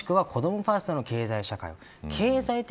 もしくは子どもファーストの経済社会。